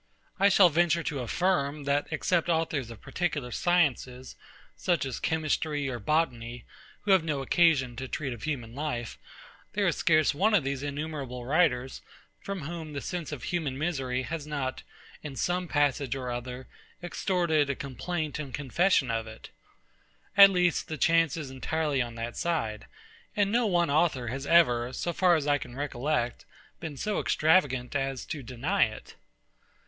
I shall venture to affirm, that, except authors of particular sciences, such as chemistry or botany, who have no occasion to treat of human life, there is scarce one of those innumerable writers, from whom the sense of human misery has not, in some passage or other, extorted a complaint and confession of it. At least, the chance is entirely on that side; and no one author has ever, so far as I can recollect, been so extravagant as to deny it.